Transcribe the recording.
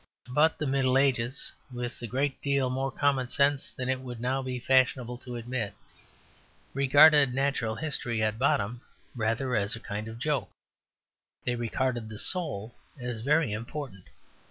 But the Middle Ages (with a great deal more common sense than it would now be fashionable to admit) regarded natural history at bottom rather as a kind of joke; they regarded the soul as very important.